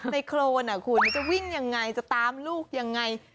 โครนคุณจะวิ่งยังไงจะตามลูกยังไง